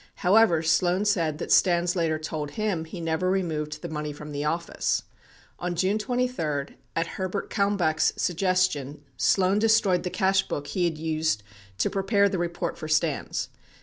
However, Sloan said that Stans later told him he never removed the money from the office. 71 On June 23, at Herbert Kalmbach's sug gestion, Sloan destroyed the cash book he had used to prepare the report for Stans.